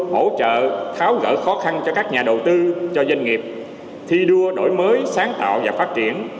hỗ trợ tháo gỡ khó khăn cho các nhà đầu tư cho doanh nghiệp thi đua đổi mới sáng tạo và phát triển